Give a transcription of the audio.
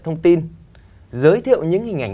thông tin giới thiệu những hình ảnh